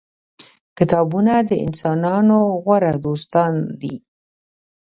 کتابونه د انسانانو غوره دوستان دي.